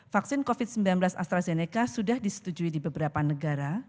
vaksin covid sembilan belas astrazeneca sudah disetujui di beberapa negara